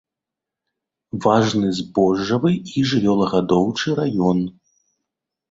Важны збожжавы і жывёлагадоўчы раён.